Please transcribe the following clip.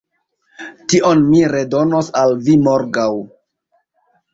Tion mi redonos al vi morgaŭ